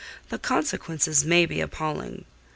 The consequences may be appalling.